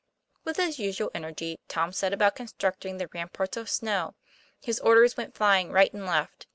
With his usual energy, Tom set about constructing the ramparts of snow; his orders went flying right and left.